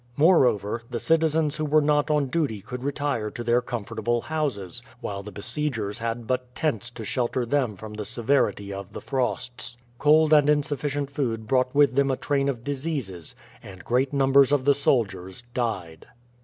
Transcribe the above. Moreover, the citizens who were not on duty could retire to their comfortable houses; while the besiegers had but tents to shelter them from the severity of the frosts. Cold and insufficient food brought with them a train of diseases, and great numbers of the soldiers died.